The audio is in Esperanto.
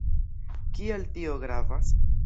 Kial tio gravas?